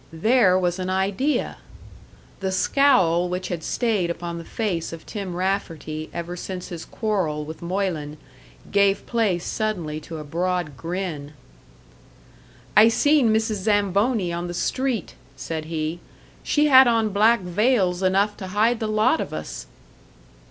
There was an idea! The scowl which had stayed upon the face of Tim Rafferty ever since his quarrel with Moylan, gave place suddenly to a broad grin. "I seen Mrs. Zamboni on the street," said he. "She had on black veils enough to hide the lot of us."